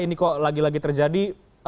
ini kok lagi lagi terjadi